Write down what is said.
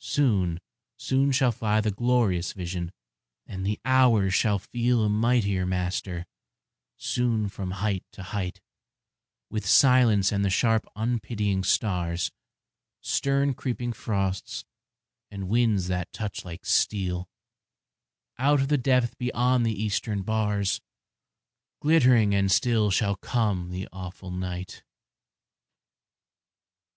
Soon, soon shall fly The glorious vision, and the hours shall feel A mightier master; soon from height to height, With silence and the sharp unpitying stars, Stern creeping frosts, and winds that touch like steel, Out of the depth beyond the eastern bars, Glittering and still shall come the awful night.